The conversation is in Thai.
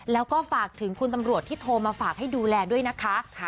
แล้วก็ฝากถึงคุณตำรวจที่โทรมาฝากให้ดูแลด้วยนะคะ